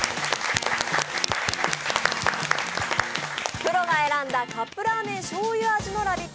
プロが選んだカップラーメンしょうゆ味のラヴィット！